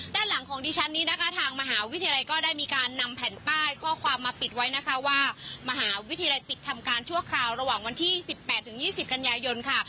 ด้านหลังของดิฉันนี้นะคะทางมหาวิทยาลัยก็ได้มีการนำแผ่นป้ายข้อความมาปิดไว้นะคะว่ามหาวิทยาลัยปิดทำการชั่วคราวระหว่างวันที่๑๘๒๐กันยายนค่ะ